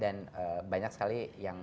dan banyak sekali yang